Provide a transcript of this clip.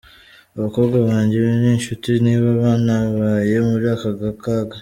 Abakobwa banjye n’inshuti nibo bantabaye muri aka kaga.